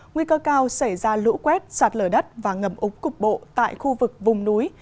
nguy cơ cao xảy ra lũ quét sạt lở đất và ngầm ủng cục bộ tại khu vực vùng núi